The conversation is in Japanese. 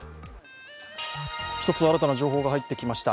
一つ新たな情報が入ってきました。